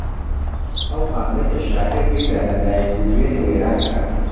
ئەو خانووەی کە شاکر تێیدا لەدایک بوو دوێنێ وێران کرا.